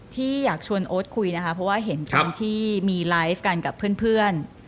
ที่อยากชวนโอ๊ตคุยนะคะเพราะว่าเห็นตอนที่มีไลฟ์กันกับเพื่อน